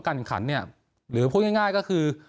ขันเนี่ยหรือพูดง่ายก็คือ